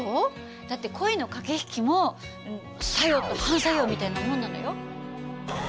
だって恋の駆け引きも作用と反作用みたいなもんなのよ。